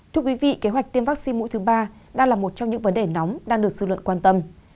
thưa quý vị kế hoạch tiêm vắc xin mũi thứ ba đang là một trong những vấn đề nóng đang được dư luận quan tâm